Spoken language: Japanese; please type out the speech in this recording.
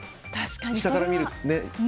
下から見ると。